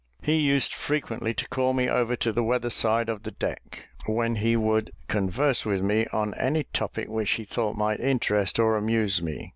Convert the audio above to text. He used frequently to call me over to the weather side of the deck, when he would converse with me on any topic which he thought might interest or amuse me.